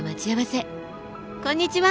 こんにちは！